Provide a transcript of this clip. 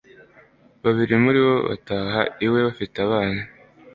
babiri muri bo bataha iwe bafite abana